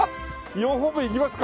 ４本目いきますか。